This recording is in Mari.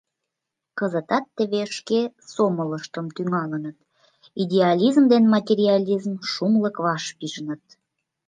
Кызытат теве шке сомылыштым тӱҥалыныт: идеализм ден материализм шумлык вашпижыныт.